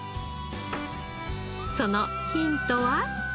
そのヒントは？